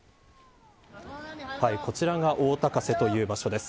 こちらが大高瀬という場所です。